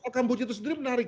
kamboja itu sendiri menarik